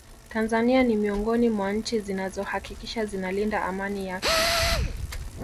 Tanzania ni miongoni mwa Nchi zinazo hakikisha zinalinda Amani yake